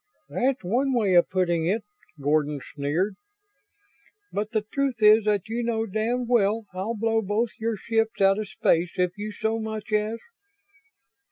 "That's one way of putting it," Gordon sneered. "But the truth is that you know damned well I'll blow both of your ships out of space if you so much as